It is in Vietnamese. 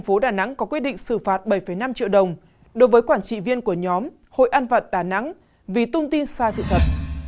tp đà nẵng có quyết định xử phạt bảy năm triệu đồng đối với quản trị viên của nhóm hội an vận đà nẵng vì tung tin sai sự thật